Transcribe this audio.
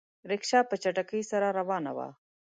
رکشه په چټکۍ سره روانه وه.